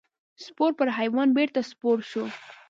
سپور پر حیوان بېرته سپور شو.